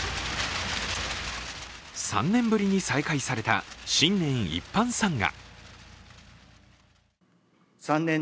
３年ぶりに再開された新年一般参賀。